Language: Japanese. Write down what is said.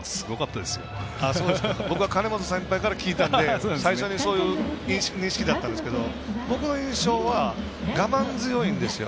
当たったときの僕は金本先輩から聞いたので、そういう認識だったんですけど僕の印象は我慢強い。